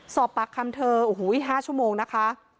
สอบปรักคำเธอ๕ชั่วโมงนะคะ